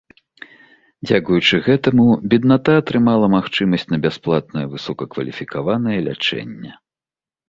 Дзякуючы гэтаму бедната атрымала магчымасць на бясплатнае высокакваліфікаванае лячэнне.